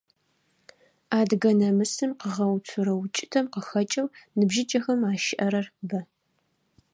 Адыгэ намысым къыгъэуцурэ укӀытэм къыхэкӀэу ныбжьыкӀэхэм ащыӀэрэр бэ.